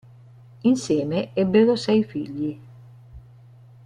Insieme ebbero sei figli.